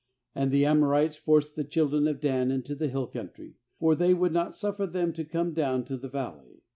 34And the Amorites forced the chil dren of Dan into the hill country; for they would not suffer them to come down to the valley.